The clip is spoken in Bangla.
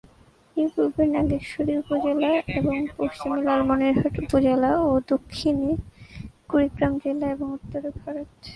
এর পূর্বে নাগেশ্বরী উপজেলা এবং পশ্চিমে লালমনিরহাট উপজেলা ও দক্ষিণে কুড়িগ্রাম জেলা এবং উত্তরে ভারত।